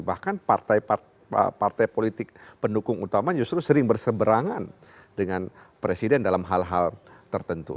bahkan partai partai politik pendukung utama justru sering berseberangan dengan presiden dalam hal hal tertentu